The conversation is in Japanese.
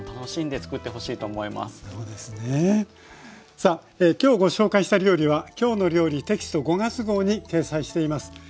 さあ今日ご紹介した料理は「きょうの料理」テキスト５月号に掲載しています。